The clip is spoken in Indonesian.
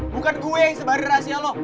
bukan gue yang sembari rahasia lo